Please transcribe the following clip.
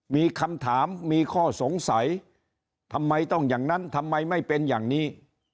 มีคำถามมีข้อสงสัยทำไมต้องอย่างนั้นทำไมไม่เป็นอย่างนี้